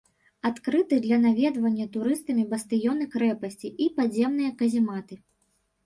Адкрыты для наведвання турыстамі бастыёны крэпасці і падземныя казематы.